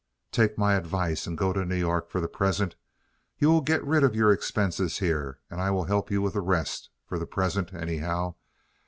"Take my advice and go to New York for the present. You will get rid of your expenses here, and I will help you with the rest—for the present, anyhow.